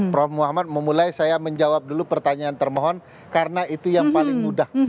prof muhammad memulai saya menjawab dulu pertanyaan termohon karena itu yang paling mudah